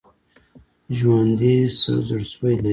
ژوندي زړسوي لري